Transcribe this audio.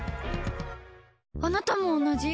あなたも同じ？